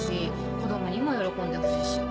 子供にも喜んでほしいし。